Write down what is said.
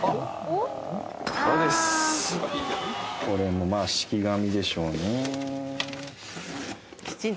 これもまぁ敷き紙でしょうね。